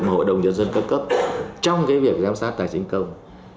mà hội đồng dân dân cấp cấp trong cái việc giám sát tài chính công